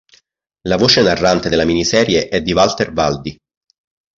La voce narrante della miniserie è di Walter Valdi.